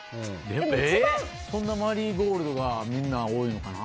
そんなマリーゴールドがみんな多いのかな。